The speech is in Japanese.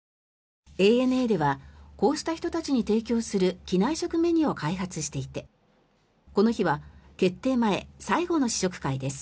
ＡＮＡではこうした人たちに提供する機内食メニューを開発していてこの日は決定前最後の試食会です。